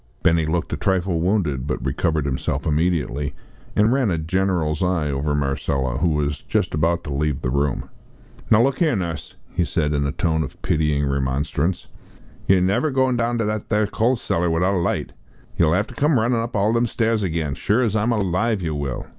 Benny looked a trifle wounded, but recovered himself immediately, and ran a general's eye over Marcella who was just about to leave the room. "Now look 'ere, Nuss," he said in a tone of pitying remonstrance, "yer never a goin' down to that 'ere coal cellar without a light. Yer'll 'ave to come runnin' up all them stairs again sure as I'm alive yer will!"